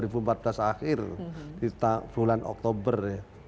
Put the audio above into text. itu adalah saat yang terakhir di bulan oktober ya